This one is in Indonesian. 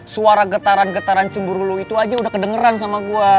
suara getaran getaran cemburu lu itu aja udah kedengeran sama gue